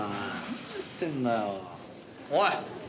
おい！